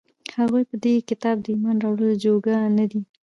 هغوى په دې كتاب د ايمان راوړلو جوگه نه دي،